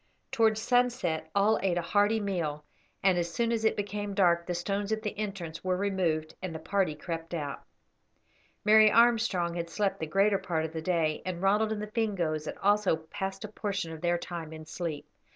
Towards sunset all ate a hearty meal, and as soon as it became dark the stones at the entrance were removed and the party crept out. Mary Armstrong had slept the greater part of the day, and Ronald and the Fingoes had also passed a portion of their time in sleep.